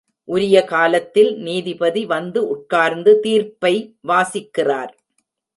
உரியகாலத்தில் நீதிபதி வந்து உட்கார்ந்து தீர்ப்பை வாசிக்கிறார்.